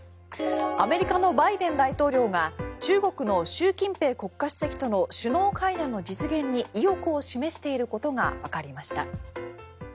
アメリカのバイデン大統領が中国の習近平国家主席との首脳会談の実現に意欲を示していることがわかりました。